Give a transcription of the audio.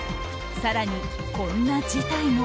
更に、こんな事態も。